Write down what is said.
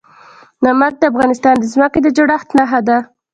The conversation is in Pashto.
نمک د افغانستان د ځمکې د جوړښت نښه ده.